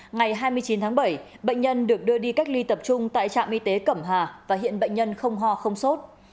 ngày hai mươi chín tháng bảy bệnh nhân được đưa đi cách ly tập trung tại trạm y tế cẩm hà và hiện bệnh nhân không ho không sốt